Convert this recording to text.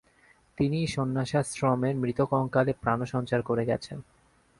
তিনিই সন্ন্যাসাশ্রমের মৃতকঙ্কালে প্রাণসঞ্চার করে গেছেন।